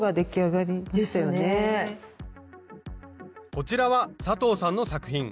こちらは佐藤さんの作品。